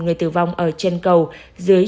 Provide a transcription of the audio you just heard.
người tử vong ở chân cầu dưới